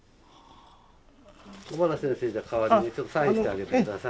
小原先生じゃあ代わりにちょっとサインしてあげてください。